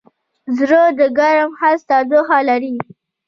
زړه د ګرم حس تودوخه لري.